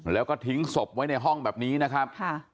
แล้วก็ทิ้งศพไว้ในห้องแบบนี้นะครับ